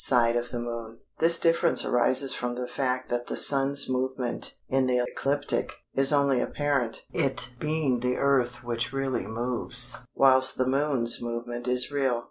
side of the Moon. This difference arises from the fact that the Sun's movement in the ecliptic is only apparent (it being the Earth which really moves), whilst the Moon's movement is real.